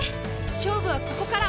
勝負はここから！